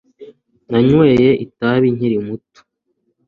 nanyweye itabi nkiri muto